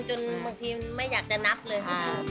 จนบางทีไม่อยากจะนับเลยค่ะ